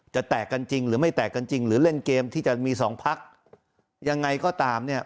จะแตกกันจริงหรือไม่แตกกันจริงหรือเล่นเกมที่จะมีสองพักยังไงก็ตามเนี่ย